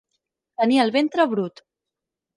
Tenir el ventre brut.